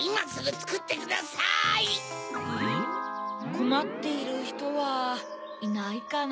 こまっているひとはいないかな？